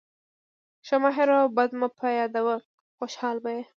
ښه مه هېروه، بد مه پیاده وه. خوشحاله به يې.